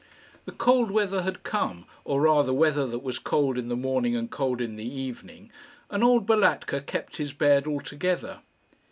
The cold weather had come, or rather weather that was cold in the morning and cold in the evening, and old Balatka kept his bed altogether.